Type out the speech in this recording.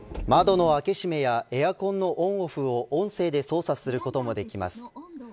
窓の開け閉めやエアコンのオンオフを音声で操作することもできます。